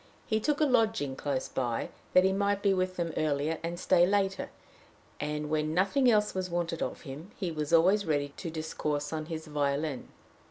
He took a lodging close by, that he might be with them earlier, and stay later; and, when nothing else was wanted of him, he was always ready to discourse on his violin.